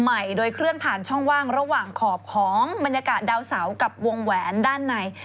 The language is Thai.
ใหม่โดยเคลื่อนผ่านช่องว่างระหว่างขอบของบรรยากาศดาวเสากับวงแหวนด้านใน